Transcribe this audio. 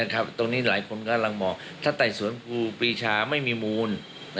ตรงนี้หลายคนกำลังบอกถ้าไต่สวนครูปีชาไม่มีมูล